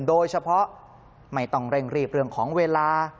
ไม่ต้องเร่งรีบเรื่องของเวลา